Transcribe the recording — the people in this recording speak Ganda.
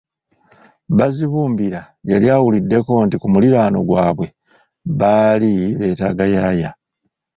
Bazibumbira yali awuliddeko nti ku muliraano gwabwe baali beetaaga "yaaya"